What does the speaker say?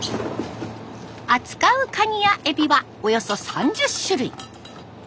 扱うカニやエビはおよそ３０種類。